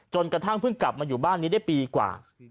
กระทั่งเพิ่งกลับมาอยู่บ้านนี้ได้ปีกว่า